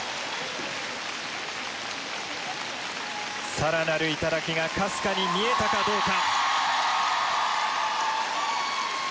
更なる頂がかすかに見えたかどうか。